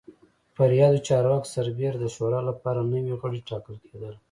پر یادو چارواکو سربېره د شورا لپاره نوي غړي ټاکل کېدل